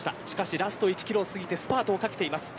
ラスト１キロを過ぎてスパートをかけています。